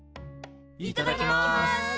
いただきます！